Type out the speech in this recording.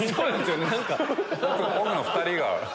奥の２人が。